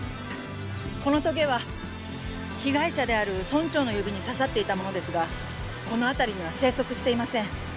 このトゲは被害者である村長の指に刺さっていたものですがこの辺りには生息していません。